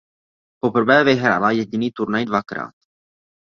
Poprvé vyhrála jediný turnaj dvakrát.